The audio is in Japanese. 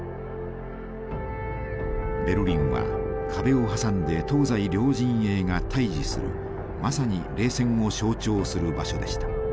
ベルリンは壁を挟んで東西両陣営が対峙するまさに冷戦を象徴する場所でした。